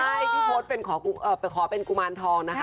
ใช่พี่โพธไปขอเป็นกุมารทองนะคะ